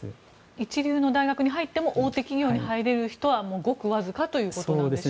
一流の大学に入っても大手企業に入れる人はごくわずかということですね。